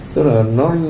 tức là nó